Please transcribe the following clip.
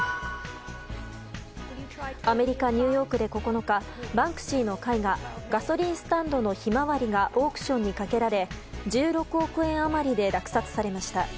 アメリカ・ニューヨークで９日バンクシーの絵画「ガソリンスタンドのひまわり」がオークションにかけられ１６億円余りで落札されました。